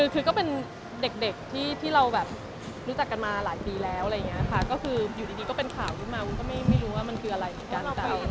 คือก็เป็นเด็กที่เราแบบรู้จักกันมาหลายปีแล้วอะไรอย่างนี้ค่ะก็คืออยู่ดีก็เป็นข่าวขึ้นมาวุ้นก็ไม่รู้ว่ามันคืออะไรเหมือนกัน